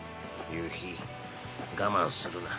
夕日我慢するな。